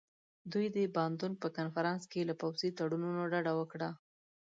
دوی د باندونک په کنفرانس کې له پوځي تړونونو ډډه وکړه.